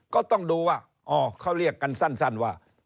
ก็ต้องดูว่าอ๋อเขาเรียกกันสั้นว่า